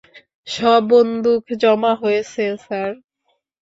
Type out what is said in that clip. সব বন্দুক জমা হয়েছে, স্যার।